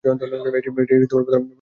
এটির প্রধান কার্যালয় আহমেদাবাদে।